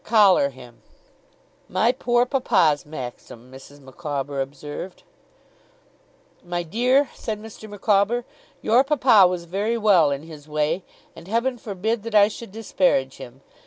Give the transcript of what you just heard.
Collar him!' 'My poor papa's maxim,' Mrs. Micawber observed. 'My dear,' said Mr. Micawber, 'your papa was very well in his way, and Heaven forbid that I should disparage him.